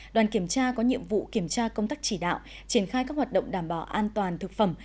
đoàn kiểm tra có nhiệm vụ kiểm tra công tác chỉ đạo triển khai các hoạt động đảm bảo an toàn thực phẩm